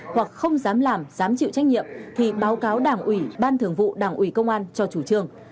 hoặc không dám làm dám chịu trách nhiệm thì báo cáo đảng ủy ban thường vụ đảng ủy công an cho chủ trương